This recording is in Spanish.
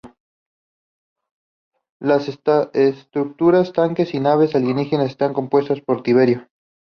Las estructuras, tanques y naves alienígenas están compuestos por tiberio.